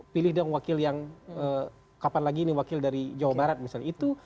pilih dong wakil yang kapan lagi ini wakil dari jawa barat misalnya itu